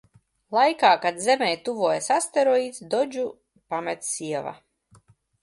Laikā, kad Zemei tuvojas asteroīds, Dodžu pamet sieva.